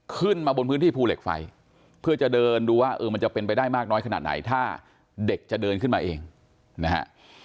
ขึ้นมาบนพื้นที่ภูเหล็กไฟเพื่อจะเดินดูว่าเออมันจะเป็นไปได้มากน้อยขนาดไหนถ้าเด็กจะเดินขึ้นมาเองนะฮะ